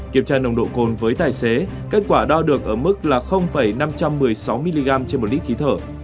kiểm tra nồng độ cồn với tài xế kết quả đo được ở mức là năm trăm một mươi sáu mg trên một lít khí thở